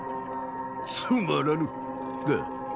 「つまらぬ」だ。